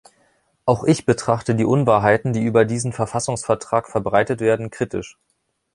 Auch ich betrachte die Unwahrheiten, die über diesen Verfassungsvertrag verbreitet werden, kritisch.